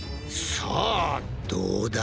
さあどうだ？